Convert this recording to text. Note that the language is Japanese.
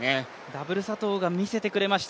ダブル佐藤が見せてくれました。